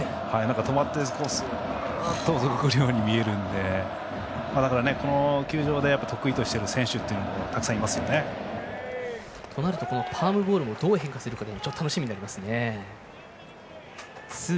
止まってすーっとくるように見えるんでこの球場で得意としている選手がたくさん、いますよね。となるとパームボールもどう変化するか楽しみになりますね。